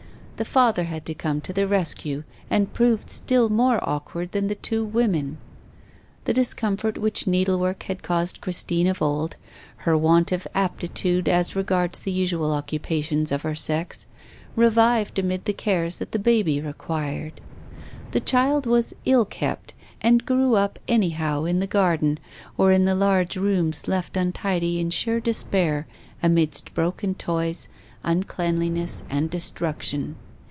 The father had to come to the rescue, and proved still more awkward than the two women. The discomfort which needlework had caused Christine of old, her want of aptitude as regards the usual occupations of her sex, revived amid the cares that the baby required. The child was ill kept, and grew up anyhow in the garden, or in the large rooms left untidy in sheer despair, amidst broken toys, uncleanliness and destruction.